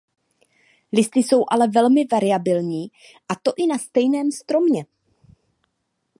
Listy jsou ale velmi variabilní a to i na stejném stromě.